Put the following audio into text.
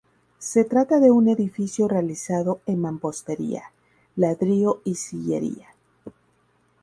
Se trata de un edificio realizado en mampostería, ladrillo y sillería.